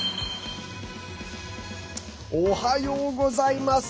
おはようございます。